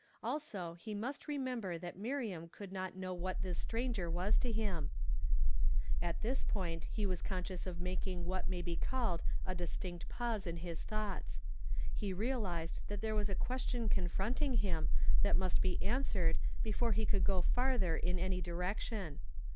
Also, he must remember that Miriam could not know what this stranger was to him — At this point he was conscious of making what may be called a distinct pause in his thoughts. He realized that there was a question confronting him that nuist be answered before he could go farther in any direc tion.